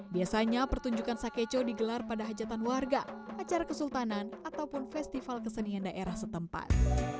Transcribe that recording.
biasanya pertunjukan sakeco digelar pada hajatan warga acara kesultanan ataupun festival kesenian daerah setempat